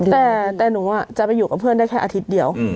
แต่หนูจะไปอยู่กับเพื่อนได้แค่อาทิตย์เดียว